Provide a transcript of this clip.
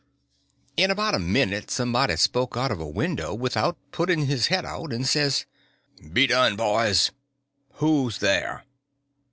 In about a minute somebody spoke out of a window without putting his head out, and says: "Be done, boys! Who's there?"